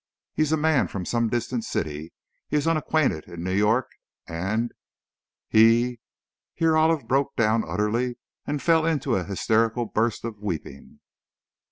He is a man from some distant city, he is unacquainted in New York, and he " here Olive broke down utterly and fell into a hysterical burst of weeping.